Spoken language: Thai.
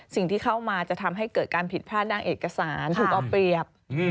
สิ่งที่เข้ามาจะทำให้เกิดการผิดพลาดนางเอกสารถูกเอาเปรียบ